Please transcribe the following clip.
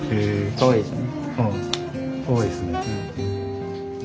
かわいいですね。